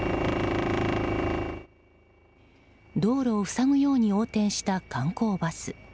道路を塞ぐように横転した観光バス。